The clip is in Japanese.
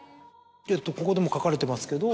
ここでも書かれてますけど。